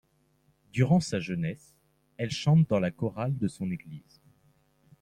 Durant sa jeunesse, elle chante dans la chorale de son église.